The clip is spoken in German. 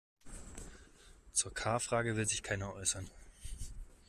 Zur K-Frage will sich keiner äußern.